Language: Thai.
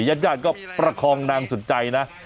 ญาติญาติก็ประคองนางสุดใจนะ